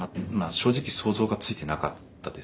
正直想像がついてなかったですね。